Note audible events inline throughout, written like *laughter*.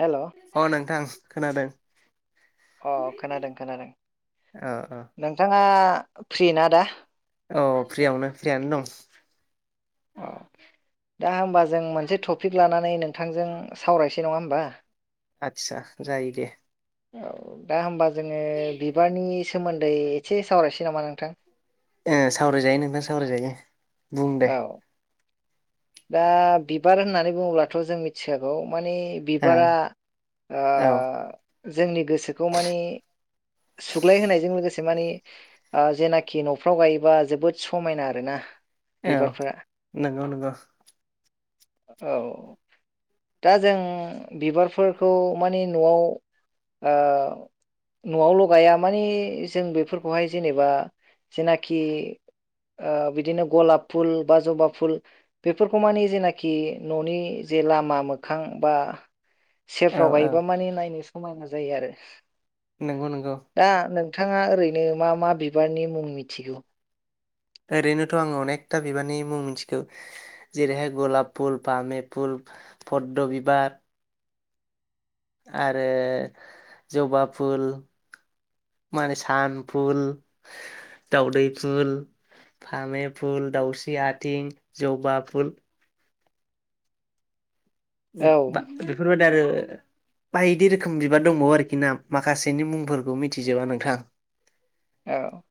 हेल' अ नोंथां खोनादों अ खोनादों खोनादों औ औ नोंथाङा फ्रि ना दा औ फ्रियावनो फ्रियनो दं अ दा होमबा जों मोनसे टपिक लानानै नोंथांजों सावरायसै नङा होमबा आतसा जायो दे। औ दा होमबा जोङो बिबारनि सोमोन्दै एसे सावरायसै नामा नोंथां। ओ सावरायजायो नोंथां सावरायजायो बुं दे। औ दा बिबार होननानै बुङोब्लाथ' जों मिथिगौ। माने ओ बिबारा ओ औ जोंनि गोसोखौ माने। सुग्लाय होनायजों लोगोसे मानि ओ जेनाखि न'फ्राव गायोबा जोबोद समायना आरोना। औ बिबारफोरा नंगौ नंगौ। औ दा जों बिबारफोरखौ मानि। न'आव ओ। न'आवल' गाया मानि जों बेफोरखौहाय जेनेबा जेनाखि। ओ बिदिनो गलाब फुल बा जबा फुल। बेफोरखौ मानि जेनाखि न'नि जे लामा मोखां बा। औ सेरफ्राव औ गायोबा माने नायनो समायना जायो आरो। नंगौ नंगौ। दा नोंथाङा ओरैनो मा मा बिबारनि मुं मिथिगौ? ओरैनोथ' आं अनेकथा बिबारनि मुं मिथिगौ जेरैहाय गलाब फुल, पामे फुल, फद्द बिबार। आरो जबा फुल। माने सान फुल, दावदै फुल। फामे फुल दाउस्रि आथिं जबा फुल। औ *unintelligible* बेफोरबायदि आरो। बायदि रोखोम बिबार दंबावो आरोखि ना माखासेनि मुंफोरखौ मिथिजोबा नोंथां। औ।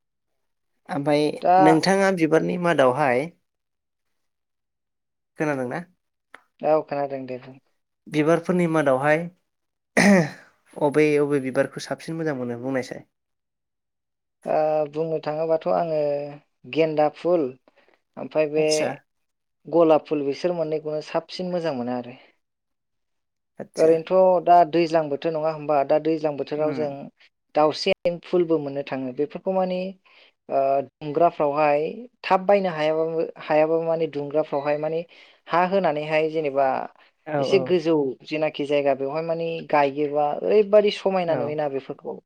ओमफ्राय दा नोंथाङा। बिबारनि मादावहाय खोनादोंना? औ खोनादों दे बुं। बिबारफोरनि मादावहाय। अबे अबे बिबारखौ साबसिन मोजां मोनो बुंनायसाय। ओ बुंनो थाङोबाथ' आङो गेन्दा फुल। ओमफफ्राय बे आदसा गलाब फुल बिसोर मोननैखौनो साबसिन मोजां मोना आरो। आदसा ओरैनोथ' दा दैज्लां बोथोर नङा होमबा दा दैज्लां बोथोराव उम जों। दाउसे फुलबो मोनो। थाङो बेफोरखौ माने ओ दुंग्राफ्रावहाय थाब बायनो हायाबाबो हायाबाबो मानि दुंग्राफ्रावहाय माने हा होनानैहाय जेनेबा- औ एसे औ गोजौ जेनाखि जायगा बेवहाय मानि गायोबा ओरै- बादि समायना औ नुयोना बेफोरखौ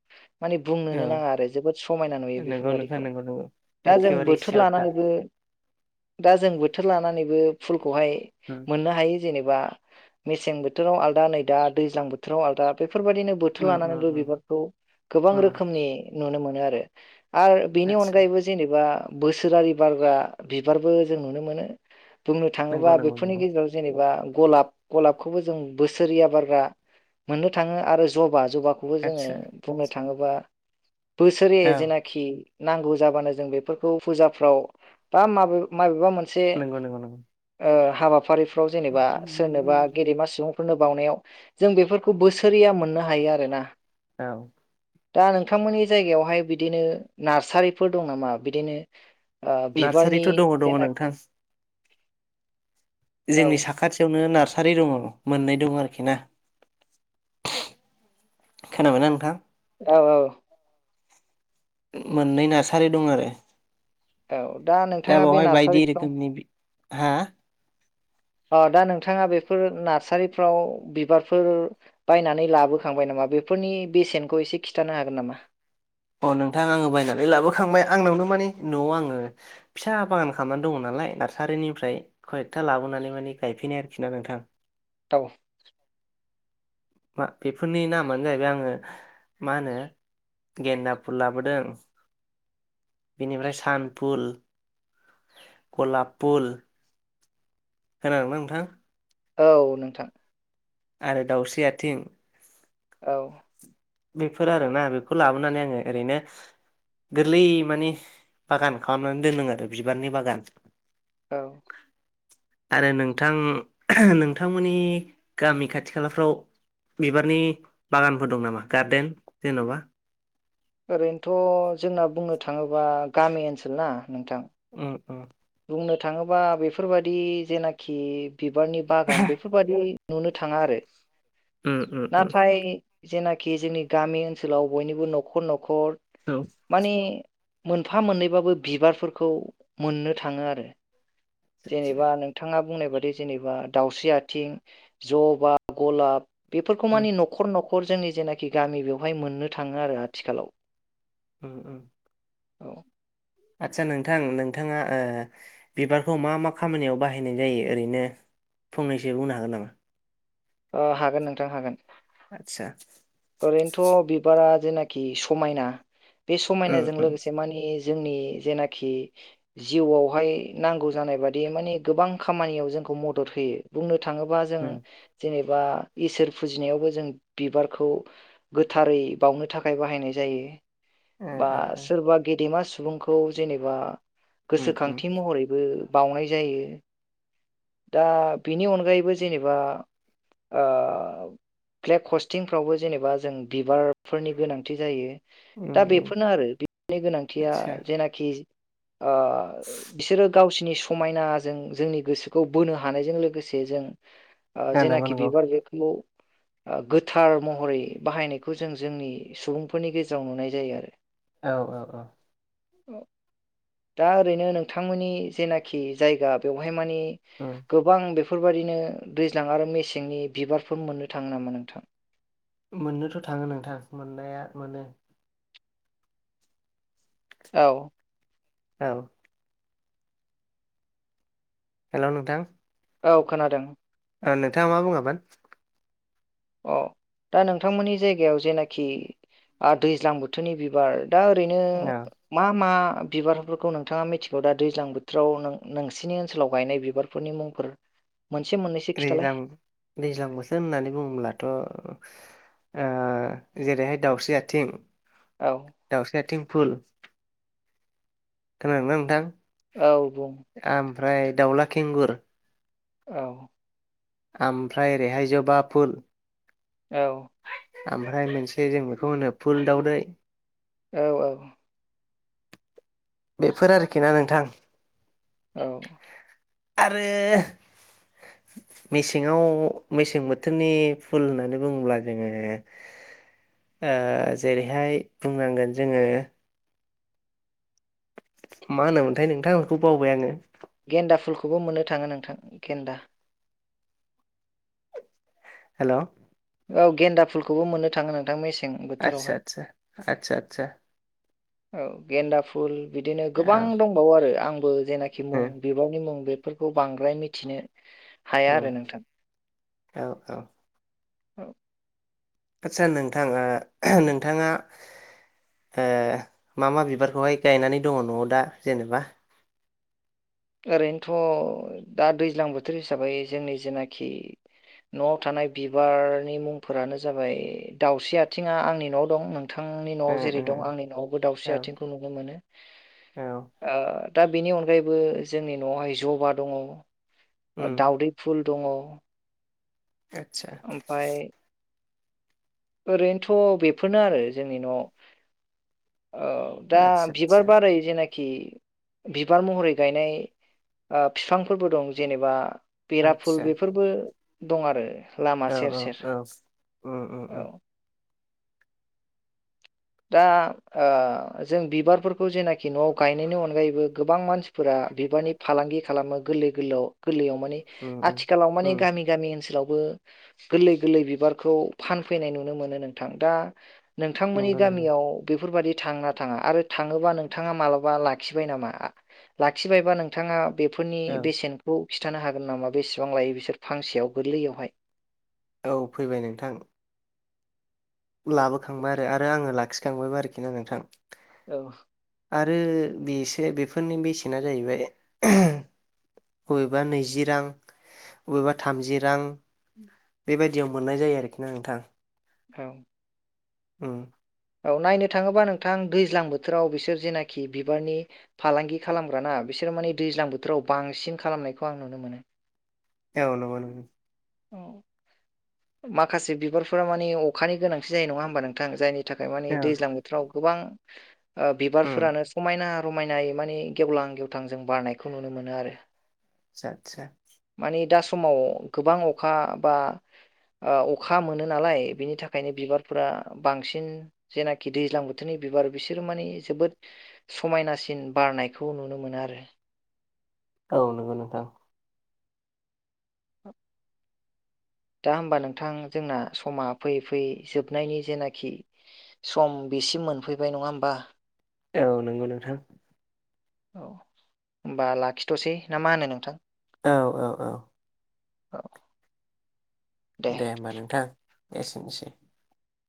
मानि औ बुंनोनो नाङा आरो। जोबोद समायना नुयो नंगौ नोंथां बेफोरबायदिखौ नंगौ नंगौ दा जों एखेबारे बोथोर सियरथार लानानैबो दा जों बोथोर लानानैबो फुलखौहाय उम मोननो हायो। जेनेबा मेसें बोथोराव आलदा नै दा दैज्लां बोथोराव आलदा बे फोरबायदिनो बोथोर उम उम लानानैबो उम बिबारखौ गोबां उम रोखोमनि नुनो मोनो आरो। आर बेनि आदसा अनगायैबो जेनेबा बोसोरारि बारग्रा बिबारबो जों नुनो मोनो। बुंनो थाङोबा नंगौ नंगौ बेफोरनि नंगौ गेजेराव जेनेबा गलाब गलाबखौबो जों बोसोरया बारग्रा मोननो थाङो आरो जबा जबाखौबो जोङो आदसा बुंनो आदसा थाङोबा बोसोरे औ जेनाखि। नांगौ जाबानो जों बेफोरखौ फुजाफ्राव बा माब माबेबा मोन नोंगौ नोंगौ नोंगौ। हाबाफारिफ्राव जेनेबा सोरनोबा गेदेमा सुबुंफोरनो। बावनायाव जों बेफोरखौ बोसोरैया मोननो हायो आरोना। औ। दा नोंथांमोननि जायगायावहाय बिदिनो नार्सारिफोर दं नामा बिदिनो? बिबारनि नार्सारिथ' दङ दङ जेननाख। नोंथां जोंनि साखाथियावनो नार्स सारि दङ मोननै दङ आरोखि ना खोनाबायना नोंथां। औ औ। मोननै नार्सारि दं आरो। औ। दा नोंथाङा बे बावहाय बायदि नार्सारिफ्राव एरखोमनि बि हा दा नोंथाङा बेफोर नार्सारिफ्राव बिबारफोर बायनानै लाबोखांबाय नामा? बेफोरनि बेसेनखौ एसे खिन्थानो हागोन नामा? अ नोंथां आङो बायनानै लाबोखांबाय आंनावनो माने न'आव आङो फिसा बागान खालामनानै दङ नाम नालाय नार्सारिनिफ्राय खयकथा लाबोनानै माने गायफैनाय आरोखि ना नोंथां। औ। मा बेफोरनि नामानो जाहैबाय आङो मा होनो। गेनना‌ ‌फुल लाबोदों। बिनिफ्राय सान फुल गलाब फुल। खोनादोंना नोंथां? औ नोंथां। आरो दाउस्रि आथिं। औ। बेफोर आरोना बेखौ लाबोनानै आङो ओरैनो गोरलै माने बागान खालामनानै दोनदों आरो बिबारनि बागान औ आरो नोंथां नोंथांमोननि गामि खाथि खालाफ्राव बिबारनि बागानफोर दं नामा गार्देन जेन'बा ओरैनोथ' जोंना बुंनो थाङोबा गामि ओनसोल ना नोंथां। ओ ओ बुंनो थाङोबा बेफोरबादि जेनाखि बिबारनि बागान बेफोरबादि नुनो थाङा आरो। ओ ओ ओ‌ नाथाय जेनाखि जोंनि गामि ओनसोलाव बयनिबो न'खर न'खर औ माने मोनफा मोननैबाबो बिबारफोरखौ मोननो थाङो आरो। आदसा जेनेबा नोंथाङाब बुंनाय बादि जेनेबा दावस्रि आथिं जबा गलाब बेफोरखौ उम माने न'खर न'खर जोंनि जेनाखि गामि बेवहाय मोननो थाङो आरो आथिखालाव। ओ ओ औ आदसा नोंथां नोंथाङा ओ बिबारखौ मा मा खामानियाव बाहायनाय जायो ओरैनो? फंनैसो बुंनो हागोन नामा? अ हागोन नोंथां हागोन। आदसा ओरैनोथ' बिबारा जेनाखि समायना बे उम समायनाजों उम लोगोसे मानेज जोंनि जेनाखि जिउआवहाय नांगौ जानाय बादि माने गोबां खामानियाव जों खौ मदद होयो बुंनो थाङोबा जों उम जेनेबा इसोर फुजिनायावबो जों बिबारखौ गोथारै बावनो थाखाय बाहायनाय जायो ओ बा ओ सोरबा गेदेमा सु सुबुंखौ जेनेबा उम उम गोसोखांथि महरैबो बाउनाय जायो। दा बिनि अनगायैबो जेनेबा ओब फ्लेक हस्टिंफ्रावबो जेनेबा जों बिबारफोरनि गोनांथि जायो। उम दा उम बेफोरनो आरो बिनि गोनांथिया आदसा जेनाखिज ओ बिसोरो गावसिरनि समायनाजों जोंनि गोसो खौ बोनो हानायजों लोगोसे जों ओ नंगौ जेनाखि नंगौ बिबार बेखौ ओ गोथार महरै बाहायनायखौ जों जोंनि सुबुंफोरनि गेजेराव नुनाय जायो आरो। औ औ औ। दा ओरैनो नोंथांमोननि जेनाखि जायगा बेवहाय मानि उम गोबां बेफ फोरबायदिनो दैज्लां आरो मेसेंनि बिबारफोर मोननो थाङो नामा नोंथां? मोननोथ' थाङो नोंथां मोननाया मोनो। औ औ हेल' नोंथां औ खोनादों। ओ नोंथाङा मा बुङामोन? अ दा नोंथांमोननि जायगायाव जेनाखि आ दैज्लां बोथोरनि बिबार दा ओरैनो औ मा मा बिबारफोरखौ नोंथाङा मिथिगौ दा दैज्लां बोथोराव नों-नोंसिनि ओनसोलाव गायनाय बिबारफोरनि मुंफोर मोनसे मोननैसो खिथालाय द्रैलां दैज्लां बोसोर होननानै बुंब्ला थ' ओ जेरैहाय दाउस्रि आथिं औ दावस्रि आथिं फुल खोनादोंना नोंथां? औ बुं फ्राय दाावला खेंगुर औ। ओमफ्राय ओरैहाय जोबा फुल औ ओमफ्राय मोनसे जों बेखौ होनो फुल दाावदै औ औ बेफोर आरोखि ना नोंथां। औ। आरो *inaudible* मेसेङाव मेसें बोथोरनि फुल होननानै बुङोब्ला जोङो ओ जेरैहाय बुंनांगोन जोङो मा होनोमोनथाय नोंथांखौ बावबाय आङो। गेन्दा फुलखौबो मोननो थाङो नोंथां गेन्दा। हेल' औ गेन्दा फुलखौबो मोननो थाङो नोंथां मेसें बोथोरावहाय। आतसा आतसा। औ गेन्दा फुल बिदिनो गोबां औ दंबावो आरो आंबो जेनाखि मुं बिबारनि मुं बे फोरखौ बांद्राय मिथिनो हाया उम आरो नोंथां औ औ। औ। आतसा नोंथां ओ नोंथांआ ओ मा मा बिबारखौहाय गायनानै दङ' न'आव दा जेनेबा? ओरैनोथ' दा दैज्लां बोथोर हिसाबै जोंनि जेनाखि न'आव थानाय बिबारनि मुंफोरानो जाबाय दाावस्रि आथिङा आंनि न'आव दं नों थांनि न'आव उम जेरै उम दं आंनि न'आवबो औ दाावस्रि आथिंखौ नुनो मोनो औ ओथ दा बेनि अनगायैबो जोंनि न'आवहाय जबा दङ' उम दाउदै फुल दङ'। आतसा। ओमफ्राय ओरैनोथ' बेफोरनो आरो जोंनि न'आव। औ दा आदसा बिबार आदसा बारै जेना खि बिबार महरै गायनाय बिफांफोरबो दं जेनेबा बेराफुल आदसा बेफोरबो दं आरो। लामा औ सेर सेर औ-औ औ उम-उम दा ओ जों बिबारफोरखौ जेनाखि न'आव गायनायनि अनगायैबो गोबां मानसिफोरा बिबारनि फालांगि खालामनाय गोलाव गोलाव उम बिलाइयाव उम आथिखालाव माने उम गामि गामि ओनसोलाव बे गोरलै गोरलै बिबारखौ फानफैनाय नुनो मोनो नोंथां। दा नोंथांमोननि नंगौ नंगौ गामियाव बेफोरबायादि थाङोना थाङा आरो थाङोबा नोंथाङा मालाबा लाखिबाय नामा लाखिबायबा नोंथाङा बेफोरनि औ बेसेनखौ खिथानो हागोन नामा बेसेबां लायो बिसोर फांसेयाव गोरलैयावहाय। औ फैबाय नोंथां। लाबोखांबाय आरो आरो आङो लाखिखांबायबो आरोखि ना नोंथां। औ। आरो बेसे बेफोरनि बेसेना जाहैबाय बबेबा नैजि रां बबेबा थामजि रां बेबायदियाव मोननाय जायो आरोखि ना नोंथां। औ। उम। औ नायनो थाङोबा नोंथां दैज्लां बोथोराव बिसोर जेनाखि बिबारनि फालांगि खालामग्राना बिसोरो माने दैज्लां बोथोराव बांसिन खालामनायखौ आं नुनो मोनो। औ नंगौ नंगौ। माखासे बिबारफोरा माने अखानि गोनांथि जायो नङा होमबा नोंथां जायनि थाखाय माने औ दैज्लां बोथोराव गोबां उम बिबारानो समायना रमायनायै माने गेवलां गेवथां जों बारनायखौ नुनो मोनो आरो। आतसा आतसा। माने दा समाव गोबां अखा बा। ओ अखा मोनो नालाय बिनि थाखायनो बिबारफोरा बांसिन जेनाखि दैज्लां बोथोरनि बिसोर माने जोबोद समायनासिन बारनायखौ नुनो मोनो आरो। औ नंगौ नोंथां। *unintelligible* दा होमबा नोंथां जोंना समा फैयै फैयै जोबनायनि जेनाखि सम बेसिम मोनफैबाय नङा होमबा? औ नंगौ नोंथां। औ होमबा लाखिथ'सै ना मा होनो नोंथां? औ औ औ। औ। दे होमबा नोंथां एसेनोसै।